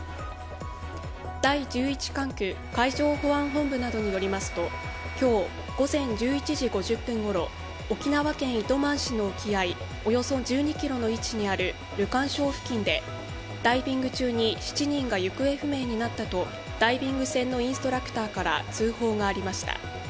第十一管区海上保安本部などによりますと今日午前１１時５０分ごろ、沖縄県糸満市の沖合およそ１２ｋｍの位置にあるルカン礁付近でダイビング中に７人が行方不明になったとダイビング船のインストラクターから通報がありました。